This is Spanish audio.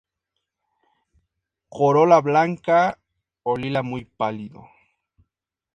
Corola blanca o lila muy pálido.